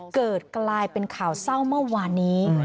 เกิดกลายเป็นข่าวเศร้าเมื่อวานนี้